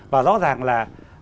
và rõ ràng là